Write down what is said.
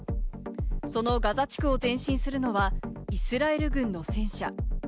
そのガザ地区を前進するのはイスラエル軍の戦車。